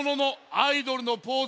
アイドルのポーズ。